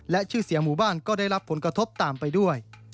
และชื่อเสียงหมู่บ้านก็ได้รับผลกระทบตามไปด้วย